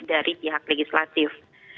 dari pihak legislatif